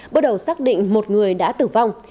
bước đầu xác định một người đã tử vong